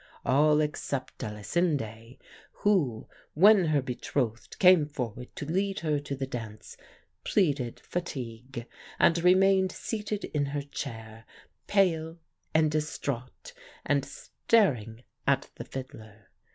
All except Elisinde who, when her betrothed came forward to lead her to the dance, pleaded fatigue, and remained seated in her chair, pale and distraught, and staring at the fiddler.